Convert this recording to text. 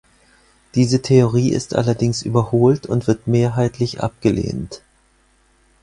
Diese Theorie ist allerdings überholt und wird mehrheitlich abgelehnt.